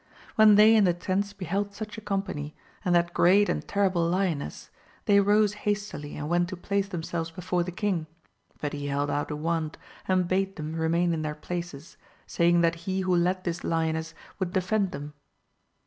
When they in the tents beheld such a company, and that great and terrible lioness, they rose hastily and went to place themselves before the king, but he held out a wand and bade them remain in their places, saying that he who led this lioness would defend them.